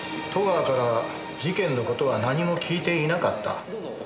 戸川から事件の事は何も聞いていなかった？